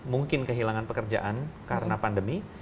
mungkin kehilangan pekerjaan karena pandemi